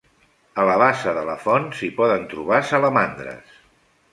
A la bassa de la font s'hi poden trobar salamandres.